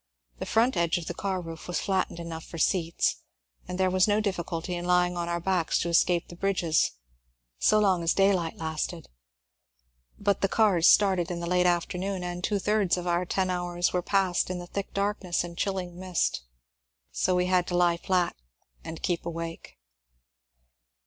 The front edge of the car roof was flattened enough for seats, and there was no difficulty in lying on our backs to escape the bridges, so long as daylight lasted ; but the cars started in the late afternoon, and two thirds of our ten hours were passed in thick darkness and chilling mist. So we had to lie flat and keep awake.